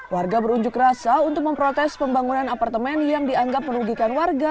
warga berunjuk rasa untuk memprotes pembangunan apartemen yang dianggap merugikan warga